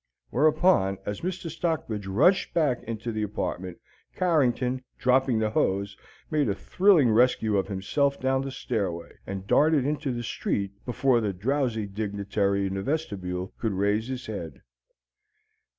Whereupon, as Mr. Stockbridge rushed back into the apartment, Carrington, dropping the hose, made a thrilling rescue of himself down the stairway, and darted into the street before the drowsy dignitary in the vestibule could raise his head.